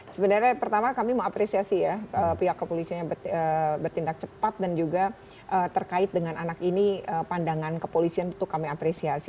sebenarnya pertama kami mengapresiasi ya pihak kepolisian yang bertindak cepat dan juga terkait dengan anak ini pandangan kepolisian tentu kami apresiasi